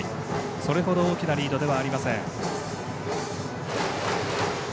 それほど大きなリードではありません。